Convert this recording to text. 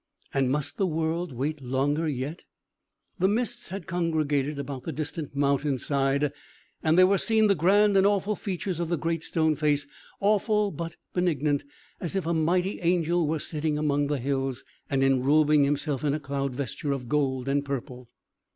"And must the world wait longer yet?" The mists had congregated about the distant mountain side, and there were seen the grand and awful features of the Great Stone Face, awful but benignant, as if a mighty angel were sitting among the hills, and enrobing himself in a cloud vesture of gold and purple.